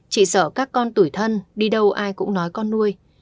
chị sợ các con tuổi thân đi đâu ai cũng nói con nuôi